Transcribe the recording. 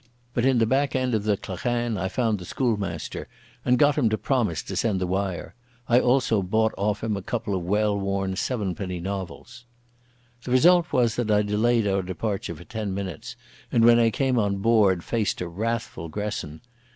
But in the back end of the clachan I found the schoolmaster, and got him to promise to send the wire. I also bought off him a couple of well worn sevenpenny novels. The result was that I delayed our departure for ten minutes and when I came on board faced a wrathful Gresson.